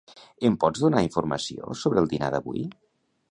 Em pots donar informació sobre el dinar d'avui?